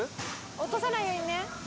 落とさないようにね。